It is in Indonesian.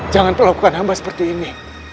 jangan melakukan hamba seperti ini